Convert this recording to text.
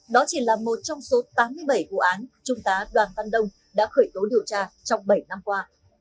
đó chỉ là một trong số tám mươi bảy vụ án trung tá đoàn văn đông đã khởi tố điều tra trong bảy năm qua